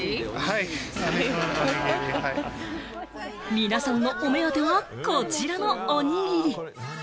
皆さんのお目当てはこちらのおにぎり。